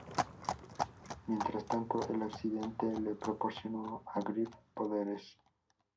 Mientras tanto, el accidente le proporcionó a Griff poderes.